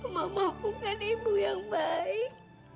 mama bukan ibu yang baik